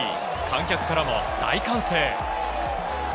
観客からも大歓声。